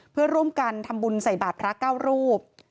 เพื่อร่วมกันทำบุญใส่บาทพระเก้ารูป